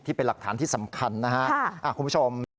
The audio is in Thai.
เป็นหลักฐานที่สำคัญนะครับคุณผู้ชม